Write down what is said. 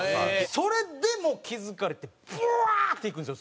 それでも気付かれてブワーッて行くんですよ